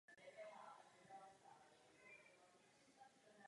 Zvukové nebo filmové nahrávky je možné pustit i přímo v knihovně.